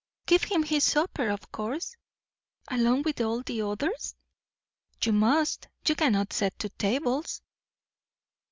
"Give him his supper of course." "Along with all the others?" "You must. You cannot set two tables."